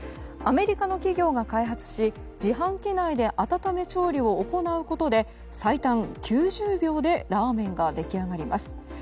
アメリカの企業が開発し自販機内で温め調理を行うことで最短９０秒でラーメンが出来上がります。